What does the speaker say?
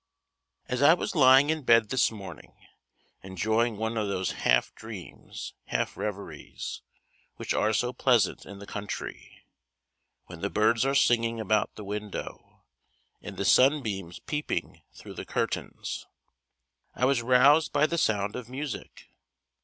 As I was lying in bed this morning, enjoying one of those half dreams, half reveries, which are so pleasant in the country, when the birds are singing about the window, and the sunbeams peeping through the curtains, I was roused by the sound of music.